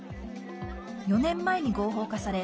４年前に合法化され